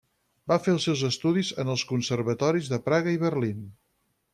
Va fer els seus estudis en els Conservatoris de Praga i Berlín.